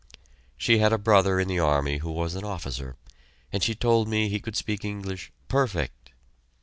She had a brother in the army who was an officer, and she told me he could speak English "perfect."